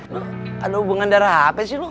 lo ada hubungan darah apa sih lo